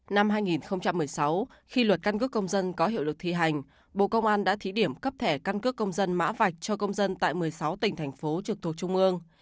năm hai nghìn một mươi sáu khi luật căn cước công dân có hiệu lực thi hành bộ công an đã thí điểm cấp thẻ căn cước công dân mã vạch cho công dân tại một mươi sáu tỉnh thành phố trực thuộc trung ương